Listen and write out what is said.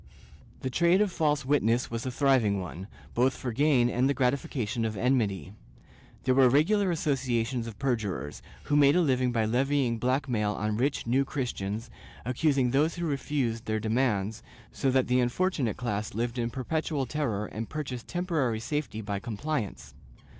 ^ The trade of false witness was a thriving one, both for gain and the gratification of enmity. There were regular associations of perjurers, who made a living by levying black mail on rich New Christians, accusing those who refused their demands, so that the imfortunate class lived in perpetual terror and purchased tem porary safety by compliance.